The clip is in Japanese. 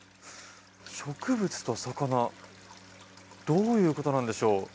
植物と魚どういうことなんでしょう？